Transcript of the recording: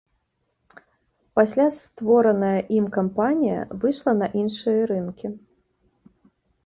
Пасля створаная ім кампанія выйшла на іншыя рынкі.